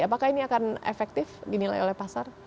apakah ini akan efektif dinilai oleh pasar